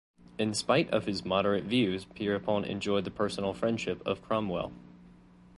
In spite of his moderate views Pierrepont enjoyed the personal friendship of Cromwell.